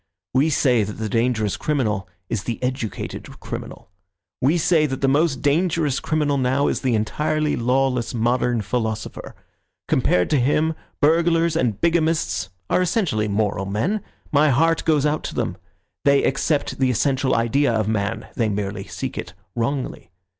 We say that the dangerous criminal is the educated criminal. We say that the most dangerous criminal now is the entirely lawless modern philosopher. Compared to him, burglars and bigamists are essentially moral men; my heart goes out to them. They accept the essential ideal of man; they merely seek it wrongly.